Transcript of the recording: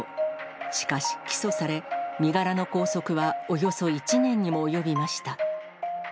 しかし、起訴され、身柄の拘束は、およそ１年にも及びました。